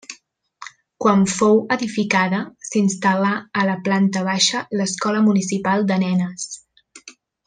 Quan fou edificada s'instal·là a la planta baixa l'escola municipal de nenes.